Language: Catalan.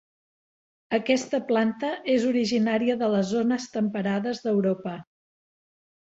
Aquesta planta és originària de les zones temperades d'Europa.